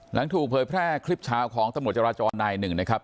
หลังถูกเผยแพร่คลิปเช้าของตำรวจจราจรนายหนึ่งนะครับ